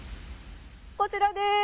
こちらです。